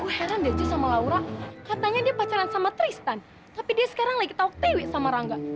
gue heran deh jess sama laura katanya dia pacaran sama tristan tapi dia sekarang lagi tau ke tw sama rangga